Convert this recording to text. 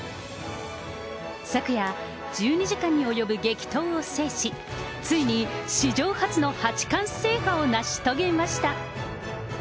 昨夜、１２時間に及ぶ激闘を制し、ついに史上初の八冠制覇を成し遂げました。